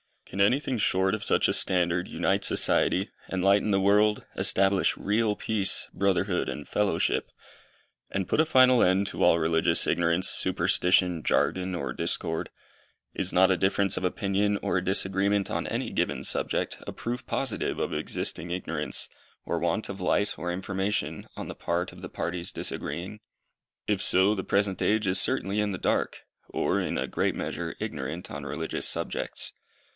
Can anything short of such a standard unite society, enlighten the world, establish real peace, brotherhood and fellowship, and put a final end to all religious ignorance, superstition, jargon, or discord? Is not a difference of opinion, or a disagreement on any given subject, a proof positive of existing ignorance, or want of light or information, on the part of the parties disagreeing? If so, the present age is certainly in the dark, or, in a great measure, ignorant on religious subjects.